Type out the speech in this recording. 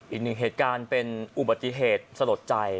อีกหนึ่งเหตุการณ์เป็นอุบัติเหตุสลดใจ